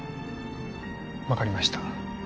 分かりました